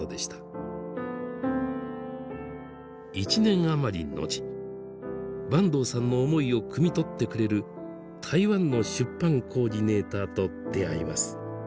１年余り後坂東さんの思いをくみ取ってくれる台湾の出版コーディネーターと出会います。